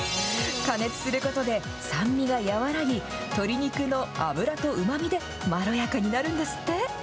加熱することで、酸味が和らぎ、鶏肉の脂とうまみでまろやかになるんですって。